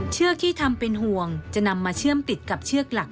เชือกที่ทำเป็นห่วงจะนำมาเชื่อมติดกับเชือกหลัก